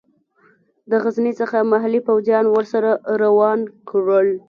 د غزني څخه محلي پوځیان ورسره روان کړل.